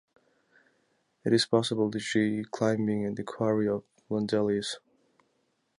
It is possible to g climbing at the quarry of Landelies.